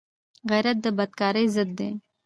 غیرت د بدکارۍ ضد دی